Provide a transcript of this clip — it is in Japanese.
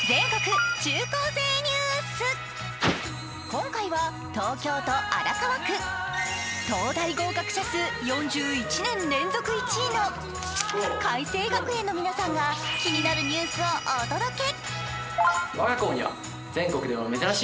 今回は東京都荒川区東大合格者数４１年連続１位の開成学園の皆さんが気になるニュースをお届け。